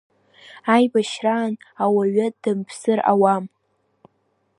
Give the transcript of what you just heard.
Аибашьраан ауаҩы дымԥсыр ауам.